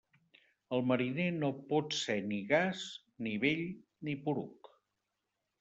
El mariner no pot ser ni gas, ni vell ni poruc.